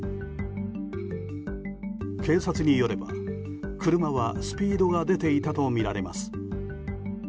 警察によれば、車はスピードが出ていたとみられます。